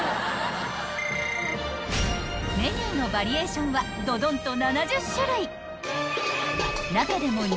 ［メニューのバリエーションはどどんと］